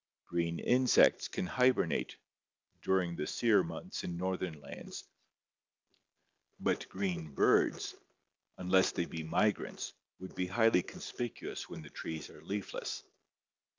Green insects can hibernate during the sere months in northern lands, but green birds, unless they be migrants, would be highly conspicuous when the trees are leafless.